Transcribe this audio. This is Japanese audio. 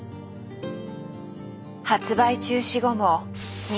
発売中止後も日本